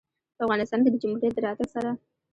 په افغانستان کې د جمهوریت د راتګ سره